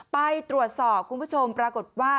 ไปตรวจสอบคุณผู้ชมปรากฏว่า